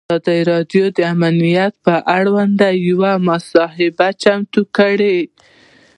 ازادي راډیو د امنیت پر وړاندې یوه مباحثه چمتو کړې.